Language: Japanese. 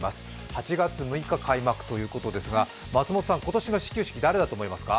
８月６日開幕ということですが今年の始球式、誰だと思いますか？